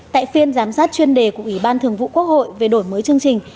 tại phiên giám sát chuyên đề của ủy ban thường vụ quốc hội về đổi mới chương trình